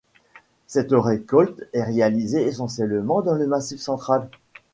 Cette récolte est réalisée essentiellement dans le Massif central.